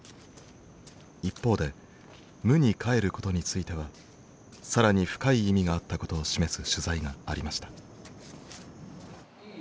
一方で無に帰ることについては更に深い意味があったことを示す取材がありました。